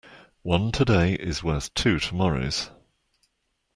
One today is worth two tomorrows.